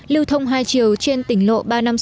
lưu thông hai chiều trên tỉnh lộ ba trăm năm mươi sáu